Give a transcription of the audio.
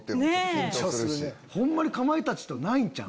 ホンマにかまいたちとないんちゃう？